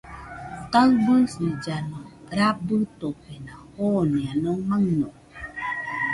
Taɨbɨsillano rabɨtofena jooeno maɨño